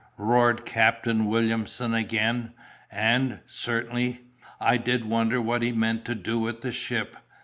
roared Captain Williamson again; and, certainly, I did wonder what he meant to do with the ship.